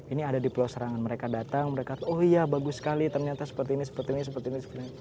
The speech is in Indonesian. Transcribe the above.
ini ada di pulau serangan mereka datang mereka oh iya bagus sekali ternyata seperti ini seperti ini seperti ini